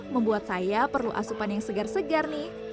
membuat saya perlu asupan yang segar segar nih